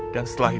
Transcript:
dan setelah itu